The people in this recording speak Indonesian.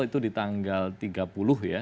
itu di tanggal tiga puluh ya